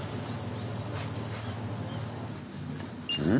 うん？